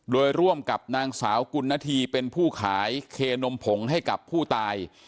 โดยร่วมกับนางสาวกุณฑีเป็นผู้ขายเคนมผงให้กับผู้ตาย